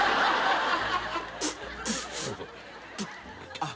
あっ。